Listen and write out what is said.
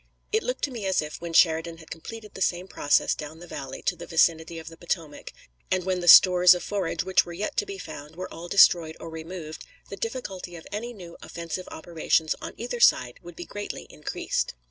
It looked to me as if, when Sheridan had completed the same process down the valley to the vicinity of the Potomac, and when the stores of forage which were yet to be found were all destroyed or removed, the difficulty of any new offensive operations on either side would be greatly increased.